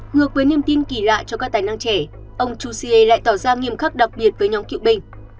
ngược với niềm tin kỳ lạ cho các tài năng trẻ ông chu xie lại tỏ ra nghiêm khắc đặc biệt với nhóm cựu bình